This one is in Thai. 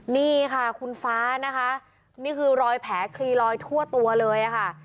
นี่ค่ะคุณฟ้านะคะนี่คือรอยแผลคลีลอยทั่วตัวเลยค่ะ